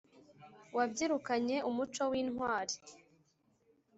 wabyirukanye umuco w’intwali